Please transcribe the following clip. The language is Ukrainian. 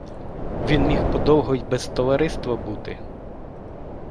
Він міг подовго й без товариства бути.